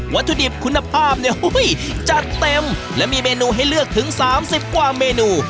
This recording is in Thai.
ถุดิบคุณภาพเนี่ยจัดเต็มและมีเมนูให้เลือกถึง๓๐กว่าเมนู